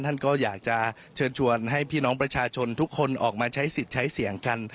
ท่านก็อยากจะเชิญชวนให้พี่น้องประชาชนทุกคนออกมาใช้สิทธิ์ใช้เสียงกัน